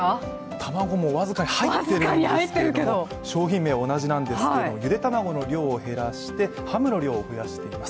卵も僅かに入っているんですけれども商品名は同じなんですけれども、ゆで卵の量を減らしてハムの量を増やしています。